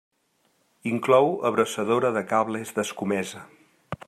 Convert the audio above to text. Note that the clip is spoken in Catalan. Inclou abraçadora de cables d'escomesa.